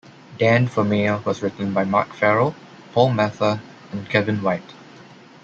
"Dan For Mayor" was written by Mark Farrell, Paul Mather, and Kevin White.